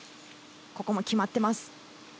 ここも決まってます。